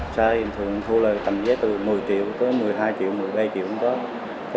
xe thường thu là tầm giá từ một mươi triệu tới một mươi hai triệu một mươi ba triệu cũng có